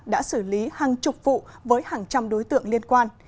đã xử lý hàng chục vụ với hàng trăm đối tượng liên quan